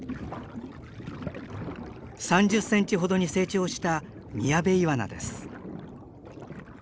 ３０センチほどに成長したミヤベイワナです。